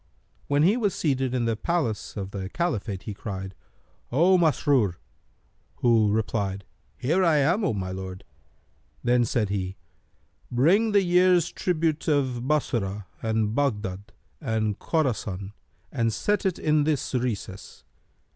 When he was seated in the palace of the Caliphate, he cried, "O Masrur!" who replied, "Here am I, O my lord!" Then said he, "Bring the year's tribute of Bassorah and Baghdad and Khorasan, and set it in this recess.